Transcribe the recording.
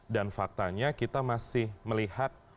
dan faktanya kita masih melihat